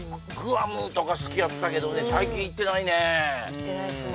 行ってないですね